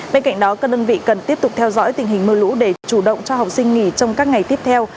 bên cạnh đó các đơn vị cần tiếp tục theo dõi tình hình mưa lũ để chủ động cho học sinh nghỉ trong các ngày tiếp theo